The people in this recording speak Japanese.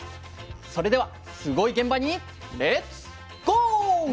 それではすごい現場にレッツ・ゴー！